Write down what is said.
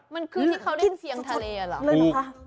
มันคือที่เขาเรียกเสียงทะเลหรอหรือเปล่าคะ